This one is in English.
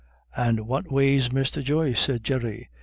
"And what way's Mr. Joyce?" said Jerry.